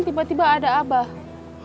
tiba tiba ada abah